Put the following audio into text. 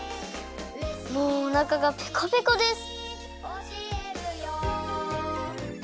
もうおなかがペコペコです。